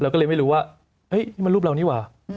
เราก็เลยไม่รู้ว่ามันรูปเรานี่หว่า